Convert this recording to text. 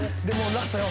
ラストよ。